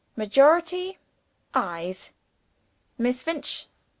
Majority Ayes. Miss Finch. Mr.